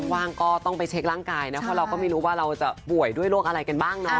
ว่างก็ต้องไปเช็คร่างกายนะเพราะเราก็ไม่รู้ว่าเราจะป่วยด้วยโรคอะไรกันบ้างเนาะ